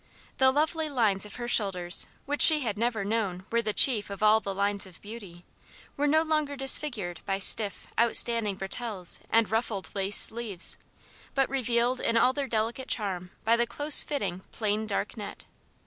The lovely lines of her shoulders, which she had never known were the chief of all the "lines of beauty," were no longer disfigured by stiff, outstanding bretelles and ruffled lace sleeves, but revealed in all their delicate charm by the close fitting plain dark net.